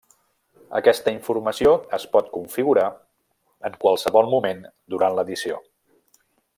Aquesta informació es pot configurar en qualsevol moment durant l'edició.